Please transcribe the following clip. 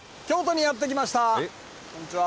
こんにちは。